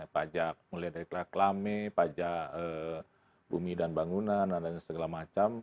pajak mulai dari keklame pajak bumi dan bangunan dan lain segala macam